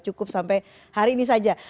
cukup sampai hari ini saja